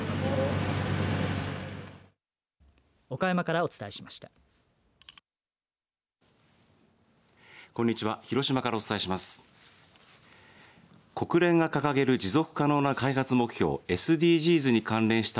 岡山からお伝えしました。